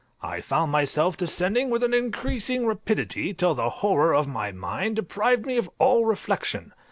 I found myself descending with an increasing rapidity, till the horror of my mind deprived me of all reflection.